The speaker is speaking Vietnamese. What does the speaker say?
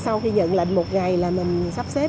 sau khi nhận lệnh một ngày là mình sắp xếp